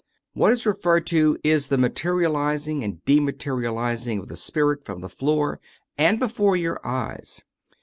What is re^ ferred to is the materializing and dematerializing of the spirit from the floor and before your eyes.